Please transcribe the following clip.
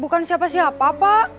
bukan siapa siapa pak